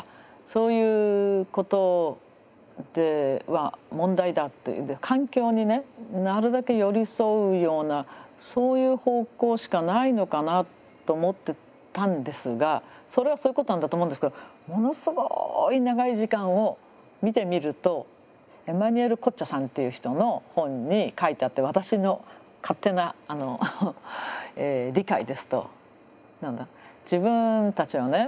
そういうことでは問題だというんで環境にねなるべく寄り添うようなそういう方向しかないのかなと思ってたんですがそれはそういうことなんだと思うんですけどものすごい長い時間を見てみるとエマヌエーレ・コッチャさんっていう人の本に書いてあって私の勝手な理解ですと自分たちはね